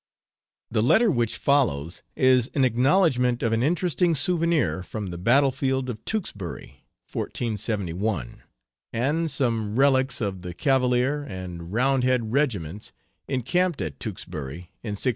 The letter which follows is an acknowledgment of an interesting souvenir from the battle field of Tewksbury (1471), and some relics of the Cavalier and Roundhead Regiments encamped at Tewksbury in 1643.